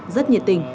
rất nhiệt tình